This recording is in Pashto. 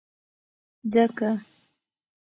ځکه